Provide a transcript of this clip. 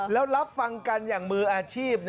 แล้วรับฟังกันอย่างมืออาชีพ